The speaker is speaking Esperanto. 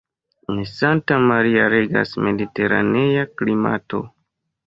En Santa Maria regas mediteranea klimato.